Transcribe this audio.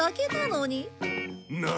何？